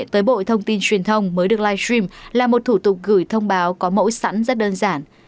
tới bộ thông tin truyền thông mới được live stream là một thủ tục gửi thông báo có mẫu sẵn rất đơn giản